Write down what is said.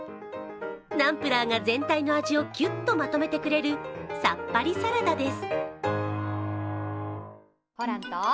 ナンプラーが全体の味をキュッとまとめてくれるさっぱりサラダです。